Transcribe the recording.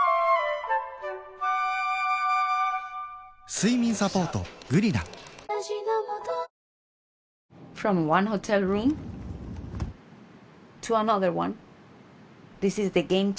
睡眠サポート「グリナ」［続いては］